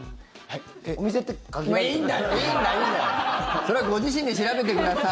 それはご自身で調べてください！